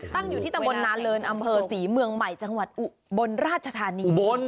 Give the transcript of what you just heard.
ตั้งอยู่ที่ตำบลนาเลินอำเภอศรีเมืองใหม่จังหวัดอุบลราชธานี